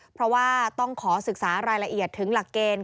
เพราะว่าต้องขอศึกษารายละเอียดถึงหลักเกณฑ์